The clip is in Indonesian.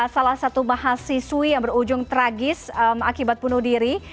salah satu mahasiswi yang berujung tragis akibat bunuh diri